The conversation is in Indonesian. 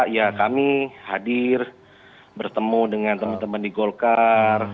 ya kami hadir bertemu dengan teman teman di golkar